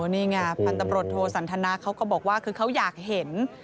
นี่ไงพันตำรวจโทสันทนาเขาก็บอกว่าคือเขาอยากเห็น